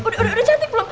udah cantik belum